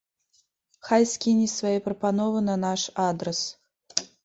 Хай скіне свае прапановы на наш адрас.